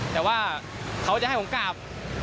แต่ว่าเขาจะให้ผมกลับ